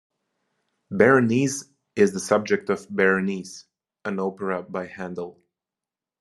Berenice is the subject of "Berenice", an opera by Handel.